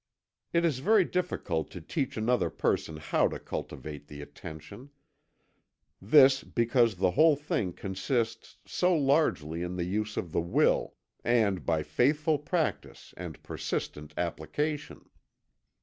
It is very difficult to teach another person how to cultivate the attention. This because the whole thing consists so largely in the use of the will, and by faithful practice and persistent application.